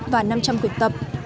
và năm trăm linh quyền tập